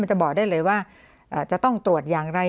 จะบอกได้เลยว่าจะต้องตรวจอย่างไร